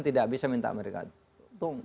tidak bisa minta mereka itu